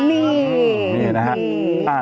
นี่นะฮะ